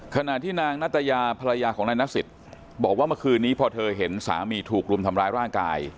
ขณะที่นางนัตยาภรรยาของนายนสิทธิ์บอกว่าเมื่อคืนนี้พอเธอเห็นสามีถูกรุมทำร้ายร่างกาย